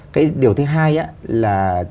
cái điều thứ hai á là